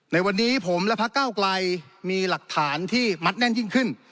ในวันนี้ผมและพระเก้าไกลมีหลักฐานที่มัดแน่นยิ่งขึ้น